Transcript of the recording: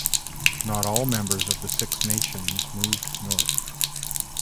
Not all members of the Six Nations moved north.